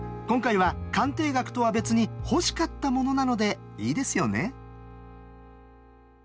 今回は鑑定額とは別に欲しかったものなのでいいですよね。